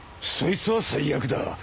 そいつは最悪だ。